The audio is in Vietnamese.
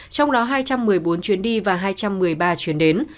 trong đó hai trăm một mươi bốn chuyến đi và hai trăm một mươi ba chuyến đến